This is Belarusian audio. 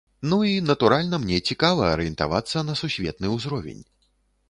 Ну, і натуральна мне цікава арыентавацца на сусветны ўзровень.